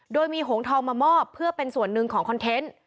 โดยมีหงทองมามอบเพื่อเป็นส่วนหนึ่งของคอนเทนต์